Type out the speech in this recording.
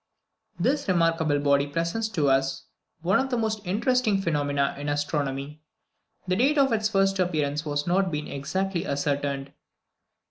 This remarkable body presents to us one of the most interesting phenomena in astronomy. The date of its first appearance has not been exactly ascertained.